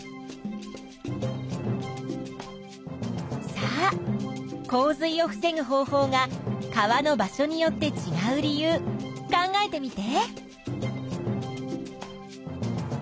さあ洪水を防ぐ方法が川の場所によってちがう理由考えてみて。